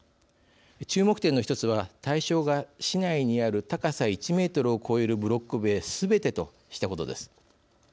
注目点の１つは対象が市内にある高さ１メートルを超えるブロック塀すべてとしたことです。